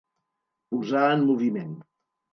Posar en moviment.